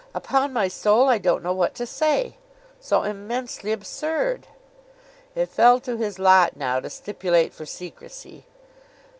'Upon my soul, I don't know what to say. So immensely absurd!' It fell to his lot, now, to stipulate for secrecy.